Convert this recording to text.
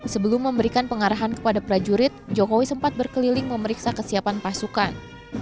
sebelum memberikan pengarahan kepada prajurit jokowi sempat berkeliling memeriksa kesiapan pasukan